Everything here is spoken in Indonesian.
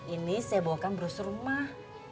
ini saya bawakan brus rumah